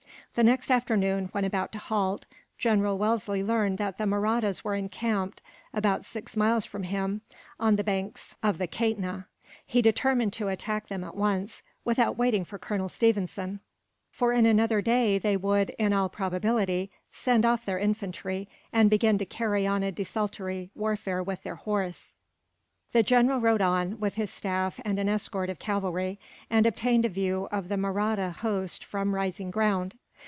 The next afternoon, when about to halt, General Wellesley learned that the Mahrattas were encamped about six miles from him, on the banks of the Kaitna. He determined to attack them at once, without waiting for Colonel Stephenson; for in another day they would, in all probability, send off their infantry, and begin to carry on a desultory warfare with their horse. [Illustration: Plan of the Battle of Assaye.] The general rode on, with his staff and an escort of cavalry, and obtained a view of the Mahratta host from rising ground.